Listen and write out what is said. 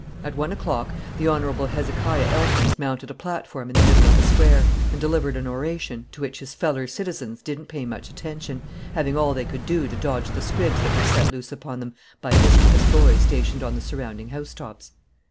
At one o'clock the Hon. Hezekiah Elkins mounted a platform in the middle of the Square and delivered an oration, to which his "feller citizens" didn't pay much attention, having all they could do to dodge the squibs that were set loose upon them by mischievous boys stationed on the surrounding housetops.